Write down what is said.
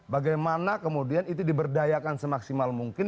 bagaimana kemudian itu diberdayakan semaksimal mungkin